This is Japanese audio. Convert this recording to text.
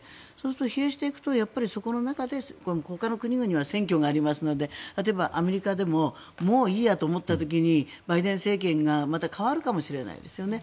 疲弊していくとその中でほかの国々は選挙がありますので例えばアメリカでももういいやと思った時にバイデン政権がまた代わるかもしれないですよね。